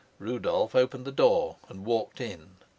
Rudolf opened the door and walked in.